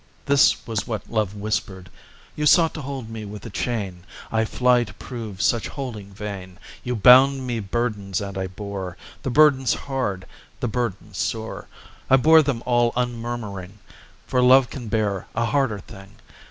this was what Love whispered; "You sought to hold me with a chain; I fly to prove such holding vain. "You bound me burdens, and I bore The burdens hard, the burdens sore; I bore them all unmurmuring, For Love can bear a harder thing.